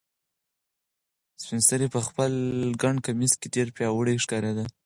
سپین سرې په خپل ګڼ کمیس کې ډېره پیاوړې ښکارېده.